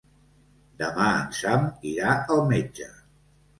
Demà en Sam irà al metge.